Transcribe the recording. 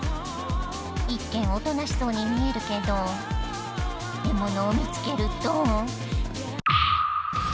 一見おとなしそうに見えるけど獲物を見つけると。